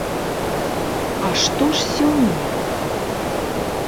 А што ж сёння?